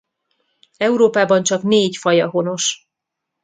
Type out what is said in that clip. Európában csak négy faja honos.